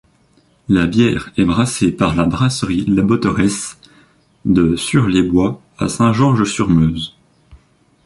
La bière est brassée par la Brasserie La Botteresse de Sur-les-Bois à Saint-Georges-sur-Meuse.